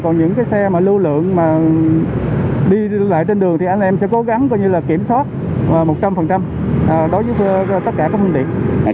còn những cái xe mà lưu lượng mà đi lại trên đường thì anh em sẽ cố gắng coi như là kiểm soát một trăm linh đối với tất cả các phương tiện